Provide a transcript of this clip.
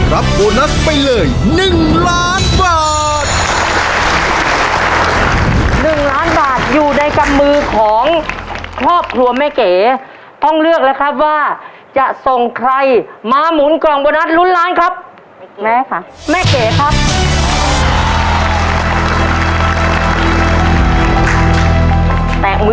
โบนัสไปเลย๑ล้านบาท